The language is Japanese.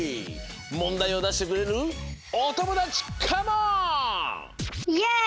もんだいをだしてくれるおともだちカモン！